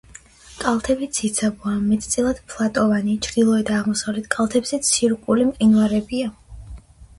კალთები ციცაბოა, მეტწილად ფლატოვანი, ჩრდილოეთ და აღმოსავლეთ კალთებზე ცირკული მყინვარებია.